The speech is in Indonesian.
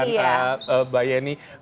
dan mbak yeni